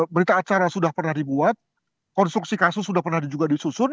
berita acara sudah pernah dibuat konstruksi kasus sudah pernah juga disusun